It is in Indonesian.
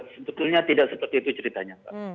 sebetulnya tidak seperti itu ceritanya mbak